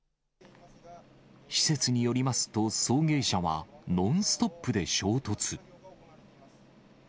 施設によりますと、送迎車は、ノンストップで衝突。